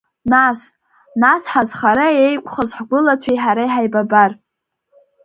Нас, нас ҳазхара иеиқәхаз ҳгәылацәеи ҳареи ҳаибабар…